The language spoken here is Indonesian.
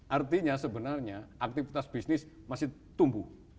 artinya sebenarnya aktivitas bisnis masih tumbuh